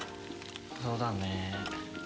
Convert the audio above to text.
そうだねー。